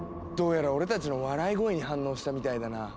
どうやら俺たちの笑い声に反応したみたいだな。